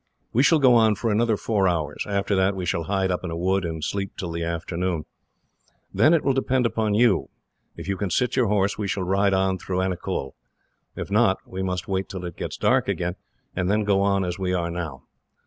"We shall go on for another four hours. After that we shall hide up in a wood, and sleep till the afternoon. Then it will depend upon you. If you can sit your horse, we shall ride on through Anicull. If not, we must wait till it gets dark again, and then go on as we are now.